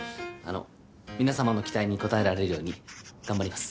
皆様の期待に応えられるように頑張ります。